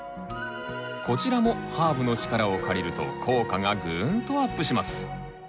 こちらもハーブの力を借りると効果がグーンとアップします！